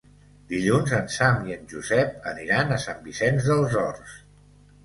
Dilluns en Sam i en Josep aniran a Sant Vicenç dels Horts.